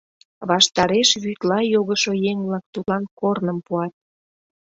Ваштареш вӱдла йогышо еҥ-влак тудлан корным пуат.